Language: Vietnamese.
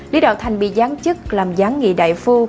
lý đạo thành bị gián chức làm gián nghị đại phu